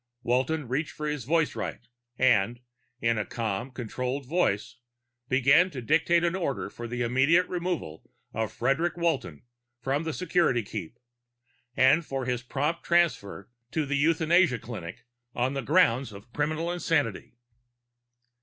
Walton reached for his voicewrite and, in a calm, controlled voice, began to dictate an order for the immediate removal of Frederic Walton from Security Keep, and for his prompt transference to the Euthanasia Clinic on grounds of criminal insanity.